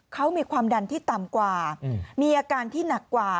เขามีความดันที่ต่ำกว่ามีอาการที่หนักกว่า